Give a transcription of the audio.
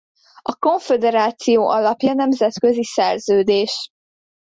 A konföderáció alapja nemzetközi szerződés.